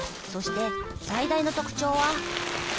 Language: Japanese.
そして最大の特徴は。